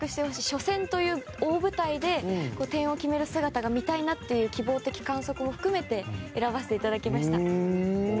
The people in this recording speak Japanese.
初戦という大舞台で点を決める姿が見たいなという希望的観測を含めて選ばせていただきました。